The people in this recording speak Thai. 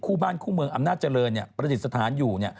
คู่บ้านคู่เมืองอำนาจเจริญประดิษฐานอยู่